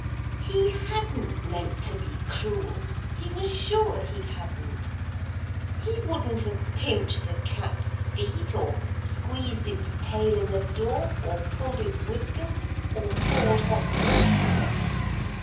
He hadn't meant to be cruel; he was sure he hadn't; he wouldn't have pinched the cat's feet or squeezed its tail in the door, or pulled its whiskers, or poured hot water on it.